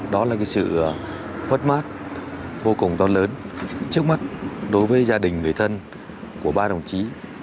đó là sự mất mát vô cùng to lớn trước mắt đối với gia đình người thân của ba đồng chí